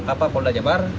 kampung polda jabar